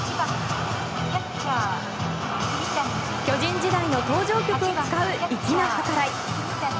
巨人時代の登場曲を使う粋な計らい。